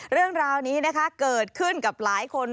เรื่องราวนี้นะคะเกิดขึ้นกับหลายคน